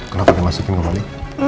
kenapa gak masukin kembali